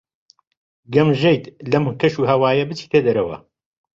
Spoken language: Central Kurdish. گەمژەیت لەم کەشوهەوایە بچیتە دەرەوە.